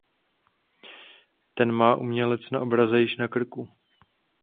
Ten má umělec na obraze již na krku.